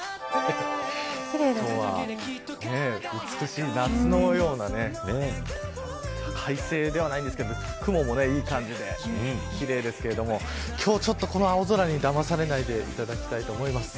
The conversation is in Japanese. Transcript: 今日は美しい夏のような快晴ではないんですけど雲もいい感じで奇麗ですけど今日はちょっとこの青空に、だまされないでいただきたいと思います。